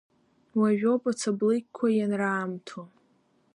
Уажәоуп ацаблыкьқәа ианраамҭоу.